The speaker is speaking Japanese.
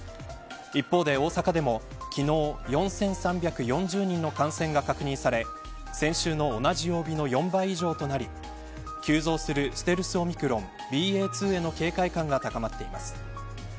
一方で、大阪でも昨日４３４０人の感染が確認され先週の同じ曜日の４倍以上となり急増するステルスオミクロンＢＡ．２への警戒感が高まっています。